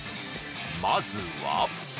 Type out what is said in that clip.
まずは。